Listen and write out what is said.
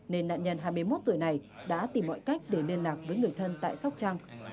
nên nạn nhân hai mươi một tuổi này đã tìm mọi cách để liên lạc với người thân tại sóc trăng